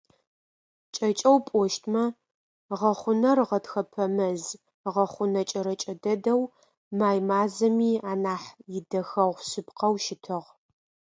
КӀэкӀэу пӀощтмэ, гъэхъунэр гъэтхэпэ мэз гъэхъунэ кӀэрэкӀэ дэдэу, май мазэми анахь идэхэгъу шъыпкъэу щытыгъ.